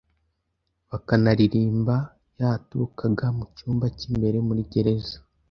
bakanaririmba yaturukaga mu cyumba cy’imbere muri gereza.